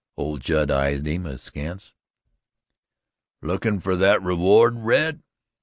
Old Judd eyed him askance. "Lookin' fer that reward, Red?"